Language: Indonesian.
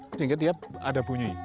sehingga dia ada bunyi